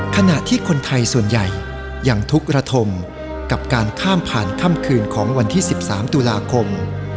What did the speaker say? ขณะที่คนไทยส่วนใหญ่ยังทุกข์ระทมกับการข้ามผ่านค่ำคืนของวันที่๑๓ตุลาคม